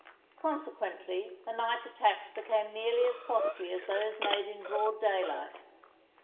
Consequently, the night attacks became nearly as costly as those made in broad daylight.